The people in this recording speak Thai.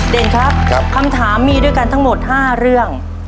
ครับคำถามมีด้วยกันทั้งหมด๕เรื่อง